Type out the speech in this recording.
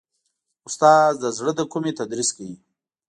استاد د زړه له کومي تدریس کوي.